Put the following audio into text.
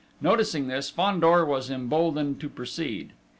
Noticing this, Fandor was emboldened to proceed.